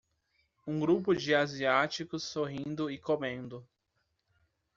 Um grupo de asiáticos sorrindo e comendo